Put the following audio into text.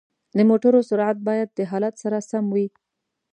د موټرو سرعت باید د حالت سره سم وي.